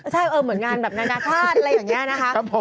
ใช่เหมือนงานแบบนานาชาติอะไรอย่างนี้นะคะ